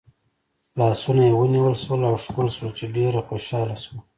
لاسونه یې ونیول شول او ښکل شول چې ډېره خوشحاله شوه.